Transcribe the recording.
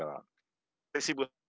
terima kasih banyak